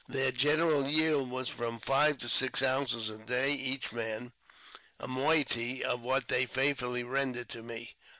Their general yield was from five to six ounces a day each man, a moiety of which they faithfully rendered to me.